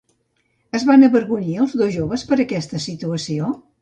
Es van avergonyir els dos joves per aquesta situació?